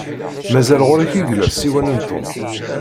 Mazal ɣur-k i yella ssiwan n Tom?